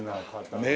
ねえ。